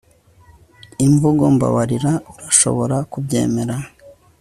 imvugo mbabarira urashobora kubyemera